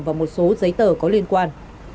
và một số giấy tờ có liên quan